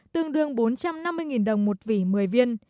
tương đương bốn trăm năm mươi đồng một vỉ một mươi viên